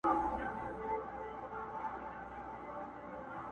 وعده پر رسېدو ده څوک به ځي څوک به راځي!.